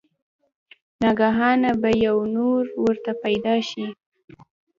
ناګهانه به يو نُور ورته پېدا شي